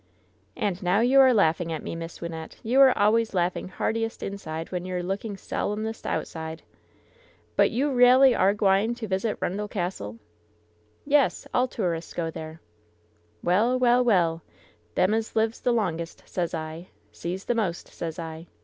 "And now you are laughing at me. Miss Wynnette ! You are always laughing heartiest inside when you're a looking solemnest outside ! But you ralely are gwine to visit 'Rundel Cassil ?" "Yes. All tourists go there." "Well, well, well I Them as lives the longest, sez I, sees the most, sez I.